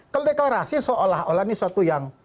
kalau deklarasi seolah olah ini suatu yang